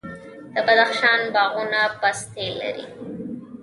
د بدخشان باغونه پستې لري.